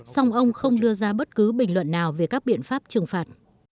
song ông không đưa ra bất cứ bình luận nào về các biện pháp trừng phạt